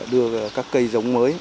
đưa các cây giống mới